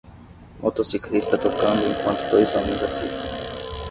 Motociclista tocando enquanto dois homens assistem